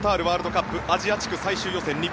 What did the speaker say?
ワールドカップアジア地区最終予選